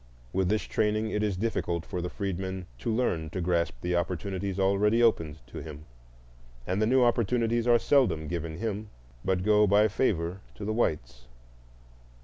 With this training it is difficult for the freedman to learn to grasp the opportunities already opened to him, and the new opportunities are seldom given him, but go by favor to the whites.